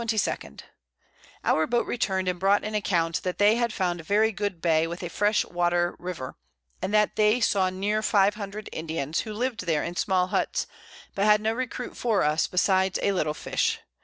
_ Our Boat return'd and brought an Account, that they had found a very good Bay, with a fresh Water River, and that they saw near 500 Indians, who lived there in small Hutts, but had no Recruit for us, besides a little Fish.